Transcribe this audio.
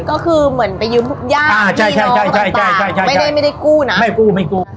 ก็คือเหมือนไปยืมญาติพี่น้องต่างไม่ได้ไม่ได้กู้นะไม่กู้ไม่กู้